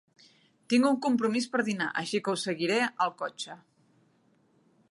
Tinc un compromís per dinar, així que ho seguiré al cotxe.